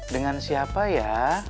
dengan siapa ya